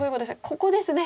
ここですね。